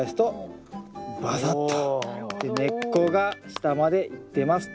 根っこが下まで行ってますと。